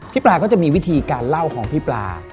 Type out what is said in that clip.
ปลาก็จะมีวิธีการเล่าของพี่ปลา